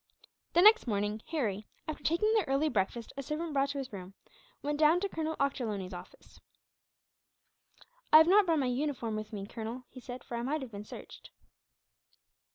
The next morning Harry, after taking the early breakfast a servant brought to his room, went down to Colonel Ochterlony's office. "I have not brought my uniform with me, Colonel," he said, "for I might have been searched."